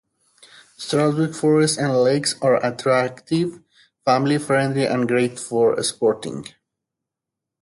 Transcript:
Strausberg's forest and lakes are attractive, family friendly, and great for sporting.